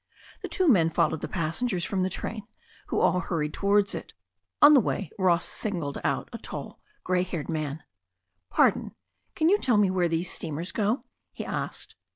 The two men followed the passengers from the train, who all hurried towards it. On the way Ross singled out a tall, grey haired man. "Pardon, can you tell me where these steamers go?" he asked.